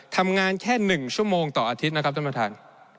ทำงานแค่๑ชั่วโมงต่ออาทิตย์นะครับท่านประธาน